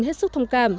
hết sức thông cảm